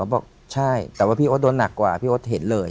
บอกใช่แต่ว่าพี่โอ๊ตโดนหนักกว่าพี่โอ๊ตเห็นเลย